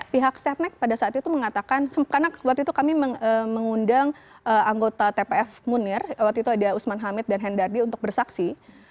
pihak setnek pada saat itu mengatakan karena waktu itu kami mengundang anggota tpf munir waktu itu ada usman hamid dan hendardi untuk bersaksi